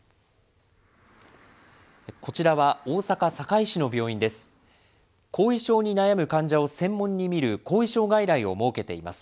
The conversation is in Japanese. こちらは大阪・堺市の病院です。